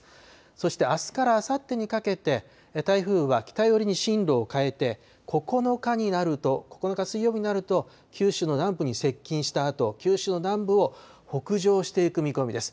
そして、あすからあさってにかけて、台風は北寄りに進路を変えて、９日になると、９日水曜日になると、九州の南部に接近したあと、九州の南部を北上していく見込みです。